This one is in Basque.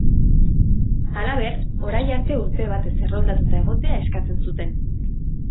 Halaber, orain arte urte batez erroldatuta egotea eskatzen zuten.